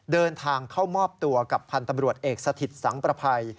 เดินทางเข้ามอบตัวกับพันธ์ตำรวจเอกสถิตสังประภัย